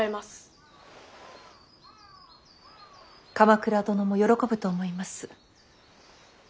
鎌倉殿も喜ぶと思います。